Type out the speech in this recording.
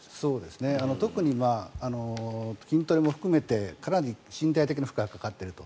特に筋トレも含めてかなり身体的な負荷がかかっていると。